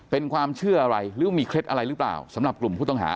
เป็นความเชื่ออะไรหรือมีเคล็ดอะไรหรือเปล่าสำหรับกลุ่มผู้ต้องหา